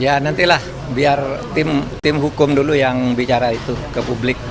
ya nantilah biar tim hukum dulu yang bicara itu ke publik